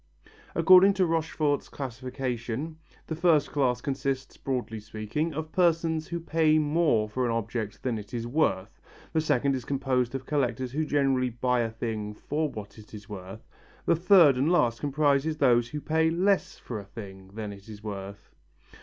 According to Rochefort's classification, the first class consists, broadly speaking, of persons who pay more for an object than it is worth; the second is composed of collectors who generally buy a thing for what it is worth; the third and last comprises those who pay less for a thing than it is worth.